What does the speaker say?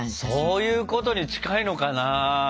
そういうことに近いのかな？